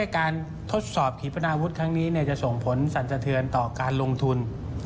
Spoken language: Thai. การทดสอบขีปนาวุฒิครั้งนี้จะส่งผลสันสะเทือนต่อการลงทุน